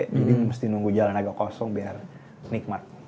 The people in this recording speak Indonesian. jadi gue mesti nunggu jalan agak kosong biar nikmat